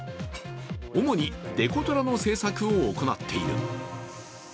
主にデコトラの制作を行っている。